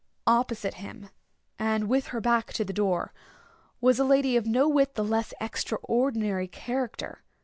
Opposite him, and with her back to the door, was a lady of no whit the less extraordinary character.